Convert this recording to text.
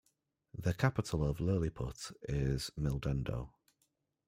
The capital of Lilliput is Mildendo.